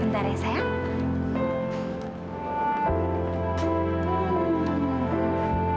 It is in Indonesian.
bentar ya sayang